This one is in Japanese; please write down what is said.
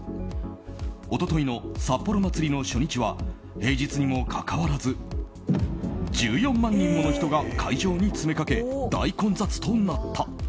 一昨日の札幌まつりの初日は平日にもかかわらず１４万人もの人が会場に詰めかけ大混雑となった。